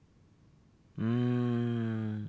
うん。